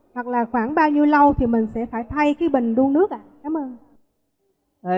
hoặc là khoảng bao nhiêu lâu thì mình sẽ phải thay cái bình đun nước ạ cảm ơn